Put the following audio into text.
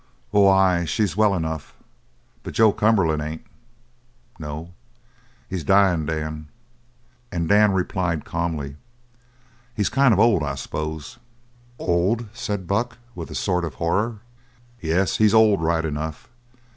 "Oh, ay, she's well enough. But Joe Cumberland ain't." "No?" "He's dyin' Dan." And Dan replied calmly. "He's kind of old, I s'pose." "Old?" said Buck, with a sort of horror. "Yes, he's old, right enough.